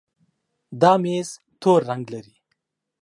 دا ميز تور رنګ لري.